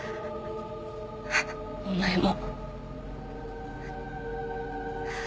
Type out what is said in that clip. お前も。